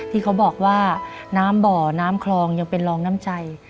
ที่เขาบอกว่าน้ำบ่อน้ำคลองยังเป็นรองน้ำใจ